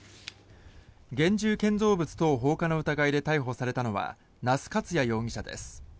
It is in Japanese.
現住建造物等放火の疑いで逮捕されたのは那須勝也容疑者です。